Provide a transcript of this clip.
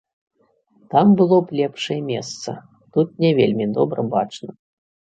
Там было б лепшае месца, тут не вельмі добра бачна.